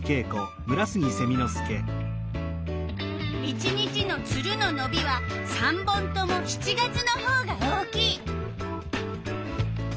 １日のツルののびは３本とも７月のほうが大きい。